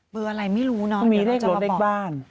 เบอร์อะไรไม่รู้เนอะ